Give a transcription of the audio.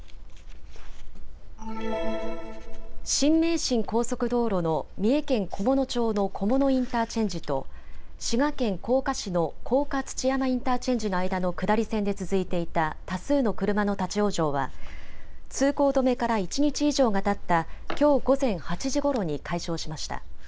新名神高速道路の三重県菰野町の菰野インターチェンジと滋賀県甲賀市の甲賀土山インターチェンジの間の下り線で続いていた多数の車の立往生は通行止めから一日以上がたったきょう午前８時ごろに解消しました。